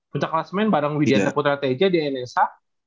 puncak kelas main bareng widyata putra teja di nsa